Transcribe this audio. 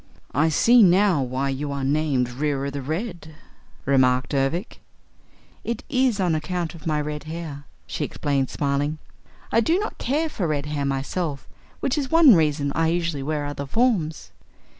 "I see now why you are named Reera the Red," remarked Ervic. "It is on account of my red hair," she explained smiling. "I do not care for red hair myself, which is one reason I usually wear other forms."